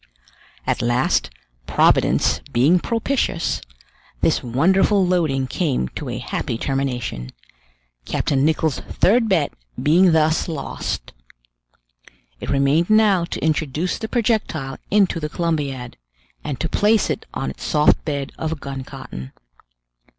At last, Providence being propitious, this wonderful loading came to a happy termination, Captain Nicholl's third bet being thus lost. It remained now to introduce the projectile into the Columbiad, and to place it on its soft bed of gun cotton.